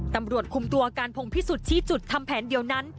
ตำรวจคุมตัวการพงพิสุทธิ์จุดทำแผนเดียวนั้น